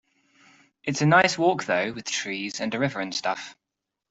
It's a nice walk though, with trees and a river and stuff.